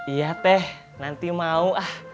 iya teh nanti mau